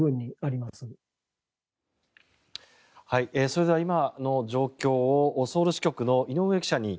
それでは今の状況をソウル支局の井上記者に